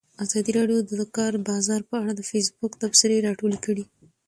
ازادي راډیو د د کار بازار په اړه د فیسبوک تبصرې راټولې کړي.